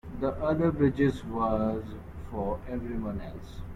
The other bridge was for everyone else.